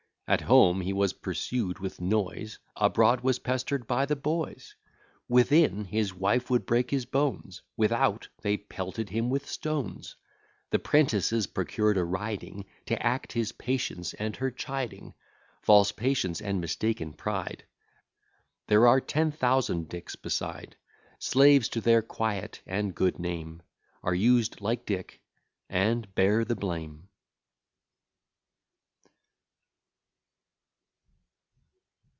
At home he was pursued with noise; Abroad was pester'd by the boys: Within, his wife would break his bones: Without, they pelted him with stones; The 'prentices procured a riding, To act his patience and her chiding. False patience and mistaken pride! There are ten thousand Dicks beside; Slaves to their quiet and good name, Are used like Dick, and bear the blame.